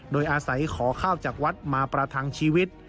โดยอาศัยขอข้าวจากวัดมาประทังชีวิต